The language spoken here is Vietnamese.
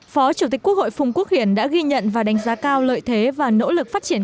phó chủ tịch quốc hội phùng quốc hiển đã ghi nhận và đánh giá cao lợi thế và nỗ lực phát triển